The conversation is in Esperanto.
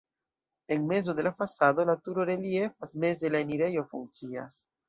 En mezo de la fasado la turo reliefas, meze la enirejo funkcias.